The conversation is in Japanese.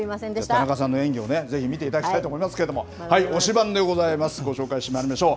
田中さんの演技をぜひ見ていただきたいと思いますけれども、推しバン！でございます、ご紹介してまいりましょう。